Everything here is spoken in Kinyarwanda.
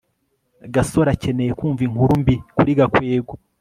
gasore akeneye kumva inkuru mbi kuri gakwego